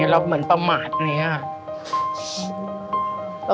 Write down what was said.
เราเหมือนประมาทอย่างนี้ค่ะ